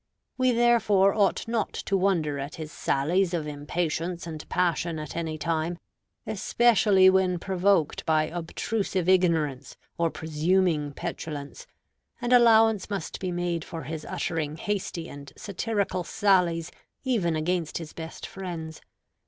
We therefore ought not to wonder at his sallies of impatience and passion at any time, especially when provoked by obtrusive ignorance or presuming petulance; and allowance must be made for his uttering hasty and satirical sallies even against his best friends.